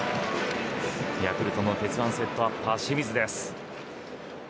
ヤクルトの鉄腕セットアッパー清水です。